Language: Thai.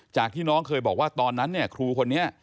จากที่น้องเคยบอกว่าตอนนั้นเนี่ยครูคนนี้